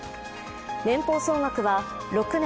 年俸総額は６年